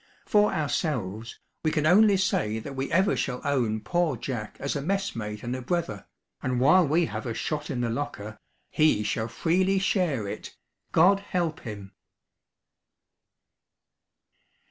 For ourselves, we can only say that we ever shall own Poor Jack as a messmate and a brother, and while we have a shot in the locker, he shall freely share it, God help him!